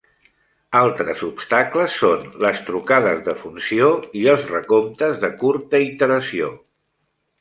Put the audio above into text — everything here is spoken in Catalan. Altres obstacles són les trucades de funció i els recomptes de curta iteració.